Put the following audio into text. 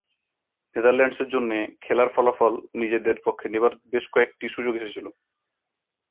নেদারল্যান্ডসের জন্য খেলার ফলাফল নিজেদের পক্ষে নেবার বেশ কয়েকটি সুযোগ এসেছিলো।